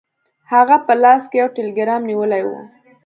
هغه په لاس کې یو ټیلګرام نیولی و.